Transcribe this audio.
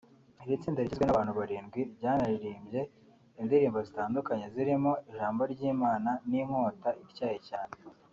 Iri tsinda rigizwe n’abantu barindwi ryanaririmbye indirimbo zitandukanye zirimo ‘Ijambo ry’Imana ni inkota ityaye cyane’